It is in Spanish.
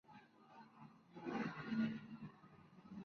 En este programa fue eliminado durante las rondas de consolación.